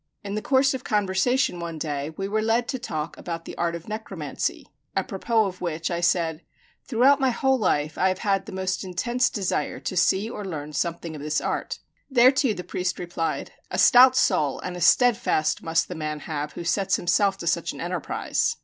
In the course of conversation one day we were led to talk about the art of necromancy, apropos of which I said, "Throughout my whole life I have had the most intense desire to see or learn something of this art." Thereto the priest replied, "A stout soul and a steadfast must the man have who sets himself to such an enterprise."